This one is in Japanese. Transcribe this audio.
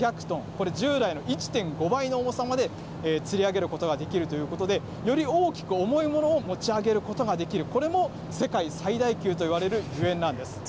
これ、従来の１．５倍の重さまでつり上げることができるということで、より大きく重いものを持ち上げることができる、これも世界最大級といわれるゆえんなんです。